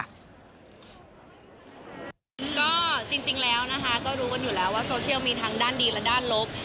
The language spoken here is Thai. ก็จริงแล้วนะคะก็รู้กันอยู่แล้วว่าโซเชียลมีทั้งด้านดีและด้านลบ